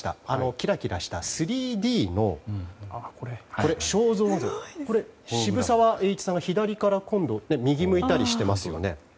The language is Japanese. キラキラした３Ｄの肖像渋沢栄一さんが左や右を向いたりしていますよね。